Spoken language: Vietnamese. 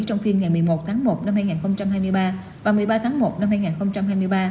trong phiên ngày một mươi một tháng một năm hai nghìn hai mươi ba và một mươi ba tháng một năm hai nghìn hai mươi ba